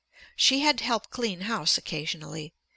She had to help clean house occasionally.